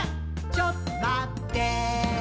ちょっとまってぇー」